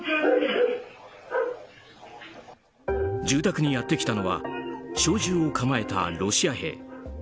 住宅にやってきたのは小銃を構えたロシア兵。